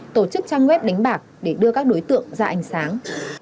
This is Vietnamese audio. tổ chức trang web đánh bạc để đưa các đối tượng ra ánh sáng